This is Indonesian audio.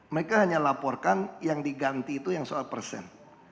mereka hanya laporkan yang diganti itu yang soal persen